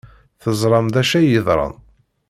Teẓram d acu ay yeḍran.